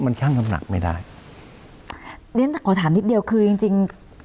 มันช่างน้ำหนักไม่ได้เรียนขอถามนิดเดียวคือจริงจริง